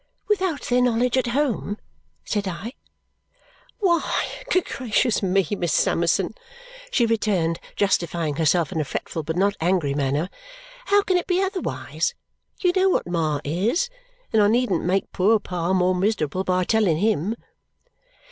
"Without their knowledge at home?" said I. "Why, good gracious me, Miss Summerson," she returned, justifying herself in a fretful but not angry manner, "how can it be otherwise? You know what Ma is and I needn't make poor Pa more miserable by telling HIM."